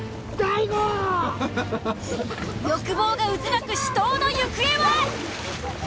欲望が渦巻く死闘の行方は？